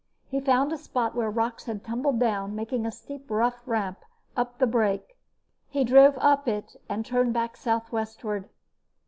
He found a spot where rocks had tumbled down, making a steep, rough ramp up the break. He drove up it and turned back southwestward.